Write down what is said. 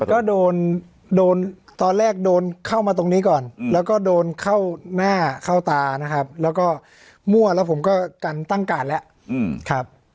ก็โดนโดนตอนแรกโดนเข้ามาตรงนี้ก่อนแล้วก็โดนเข้าหน้าเข้าตานะครับแล้วก็มั่วแล้วผมก็กันตั้งการแล้วครับ